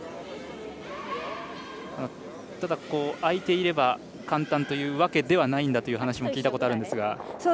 空いていれば簡単というわけではないんだという話も聞いたこともあるんですが。